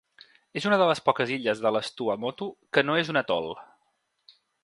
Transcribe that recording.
És una de les poques illes de les Tuamotu que no és un atol.